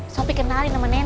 sopi kenalin nama neneng